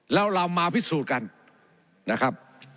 แล้วเรามาพิสูจน์กันนะครับ